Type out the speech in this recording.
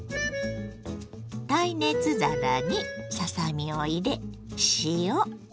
耐熱皿にささ身を入れ塩